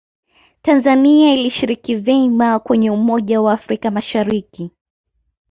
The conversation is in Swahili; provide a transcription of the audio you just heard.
tanzania ilishiriki vema kwenye umoja wa afrika mashariki